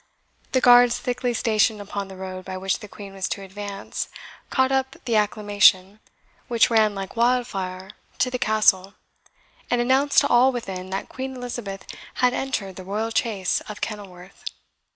The guards, thickly stationed upon the road by which the Queen was to advance, caught up the acclamation, which ran like wildfire to the Castle, and announced to all within that Queen Elizabeth had entered the Royal Chase of Kenilworth.